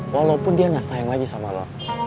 walaupun dia gak sayang lagi sama lo